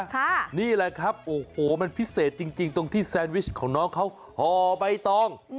นี่แหละครับโอ้โหมันพิเศษจริงตรงที่แซนวิชของน้องเขาห่อใบตอง